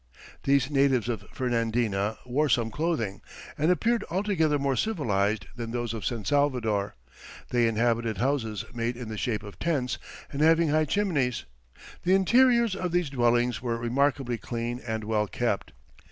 These natives of Fernandina wore some clothing, and appeared altogether more civilized than those of San Salvador; they inhabited houses made in the shape of tents and having high chimneys; the interiors of these dwellings were remarkably clean and well kept.